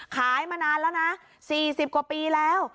มานานแล้วนะ๔๐กว่าปีแล้ว